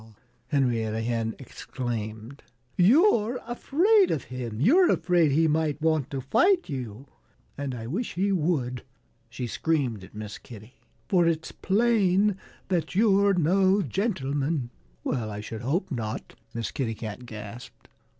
Henrietta Hen exclaimed. "You're afraid of him! You're afraid he might want to fight you. And I wish he would," she screamed at Miss Kitty, "for it's plain that you're no gentleman." "Well I should hope not!" Miss Kitty Cat gasped.